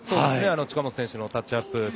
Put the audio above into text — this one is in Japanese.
近本選手のタッチアップ。